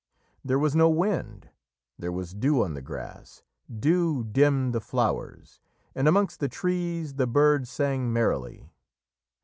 There was no wind, there was dew on the grass; "dew dymmd the floures," and amongst the trees the birds sang merrily.